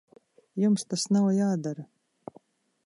Jums tas nav jādara.